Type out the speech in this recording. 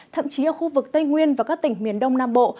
thậm chí ở khu vực tây nguyên và các tỉnh miền đông nam bộ